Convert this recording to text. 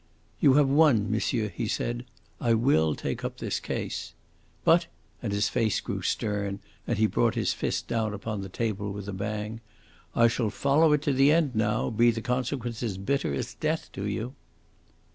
"You have won, monsieur," he said. "I will take up this case. But," and his face grew stern and he brought his fist down upon the table with a bang, "I shall follow it to the end now, be the consequences bitter as death to you."